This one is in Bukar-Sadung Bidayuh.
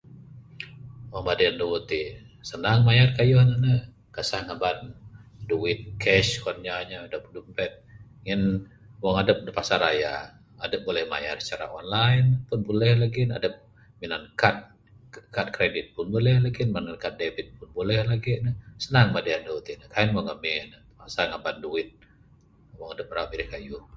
Wang balik endu tik senang mayar keyuh ne, kisah ngeban duit kash kuyan inya ye, dep de dumpet, ngin wong edep deg pasar raya, edep buleh mayar secara online pun buleh legi ne, edep minan kad, kad kredit pun buleh legi ne, minan kad debit pun buleh legi ne, senang ba endu tik, kaik mung nyumi ne, asal ngeban duit, wong edep irak mirih keyuh.